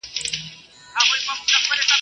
تر تا د مخه ما پر ایښي دي لاسونه.